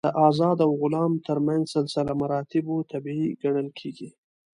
د آزاد او غلام تر منځ سلسله مراتبو طبیعي ګڼل کېږي.